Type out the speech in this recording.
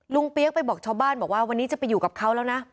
เปี๊ยกไปบอกชาวบ้านบอกว่าวันนี้จะไปอยู่กับเขาแล้วนะ